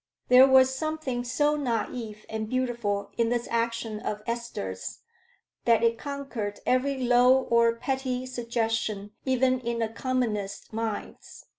There was something so naive and beautiful in this action of Esther's, that it conquered every low or petty suggestion even in the commonest minds.